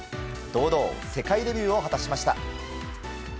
堂々世界デビューを果たしました。